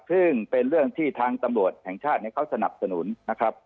ซึ่งเป็นเรื่องที่ทางตำรวจแห่งชาติเขาสนับสนุนนะครับ